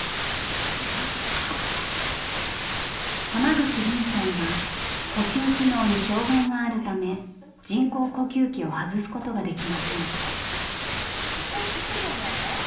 口凜さんは呼吸機能に障害があるため人工呼吸器を外すことができません。